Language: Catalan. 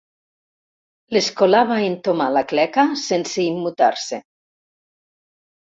L'escolà va entomar la cleca sense immutar-se.